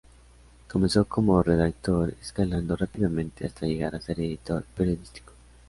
Comenzó como redactor, escalando rápidamente hasta llegar a ser editor periodístico.